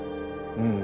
うん。